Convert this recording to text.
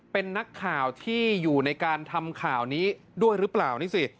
เป็นนักข่าวที่อยู่ในการทำข่าวนี้ด้วยหรือเปล่านี่สิ